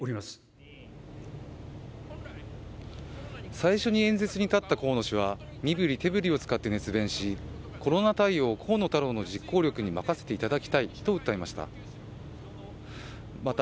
最初に演説に立った河野氏は身振り手振りを使って熱弁しコロナ対応を河野太郎の実行力に任せていただきたいと訴えました。